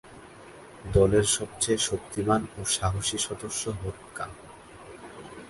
দলের সবচেয়ে শক্তিমান ও সাহসী সদস্য হোঁতকা।